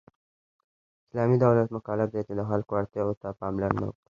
اسلامی دولت مکلف دی چې د خلکو اړتیاوو ته پاملرنه وکړي .